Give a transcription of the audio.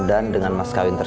ya tentu saja